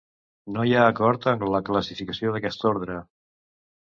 No hi ha acord en la classificació d'aquest ordre.